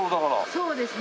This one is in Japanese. そうですね。